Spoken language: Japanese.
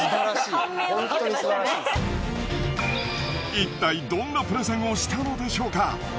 いったいどんなプレゼンをしたのでしょうか？